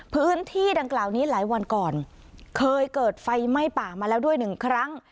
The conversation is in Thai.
พื้นที่ดังกล่าวนี้หลายวันก่อนเคยเกิดไฟไหม้ป่ามาแล้วด้วยหนึ่งครั้ง